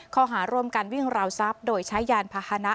ข้อหาร่วมกันวิ่งราวทรัพย์โดยใช้ยานพาหนะ